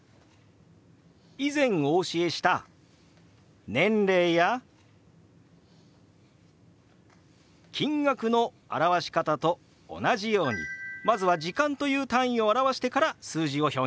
以前お教えした年齢や金額の表し方と同じようにまずは時間という単位を表してから数字を表現します。